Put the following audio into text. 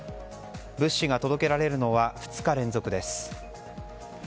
物資が届けられるのは２日連続です。